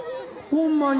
ほんまに。